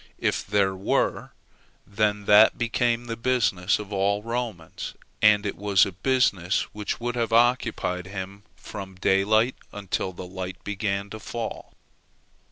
If there were, then that became the business of all Romans; and it was a business which would have occupied him from daylight until the light began to fail.